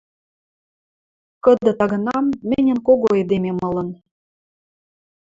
кыды тагынам мӹньӹн кого эдемем ылын.